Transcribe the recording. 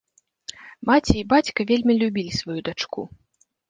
Маці і бацька вельмі любілі сваю дачку.